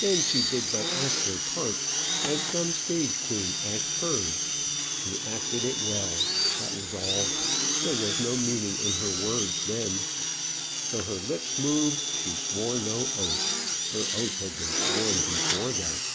Then she did but act her part, as some stage queen acts hers. She acted it well; that was all. There was no meaning in her words then. Though her lips moved, she swore no oath. Her oath had been sworn before that.